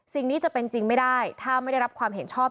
สิ่งนี้จะเป็นจริงไม่ได้ถ้าไม่ได้รับความเห็นชอบ